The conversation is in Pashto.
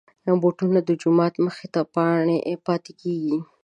بوټونه د جومات مخې ته پاتې کېږي.